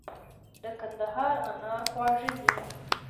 د کندهار انار خواږه دي.